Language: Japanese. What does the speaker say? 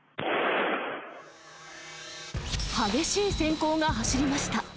激しいせん光が走りました。